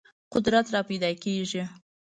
قدرت راپیدا کېږي.